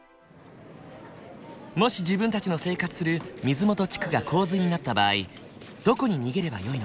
もし自分たちの生活する水元地区が洪水になった場合どこに逃げればよいのか？